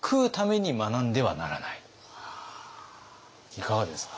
いかがですか？